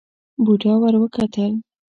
بوډا ور وکتل.